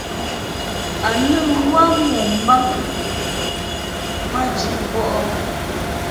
A nɨŋ wə mo mbaŋ maji bɔʼɨ ?